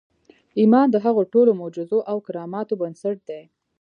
ایمان د هغو ټولو معجزو او کراماتو بنسټ دی